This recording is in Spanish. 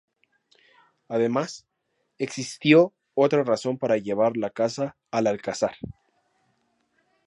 Además, existió otra razón para llevar la Casa al Alcázar.